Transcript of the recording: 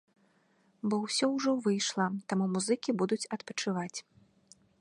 Бо ўсё ўжо выйшла, таму музыкі будуць адпачываць.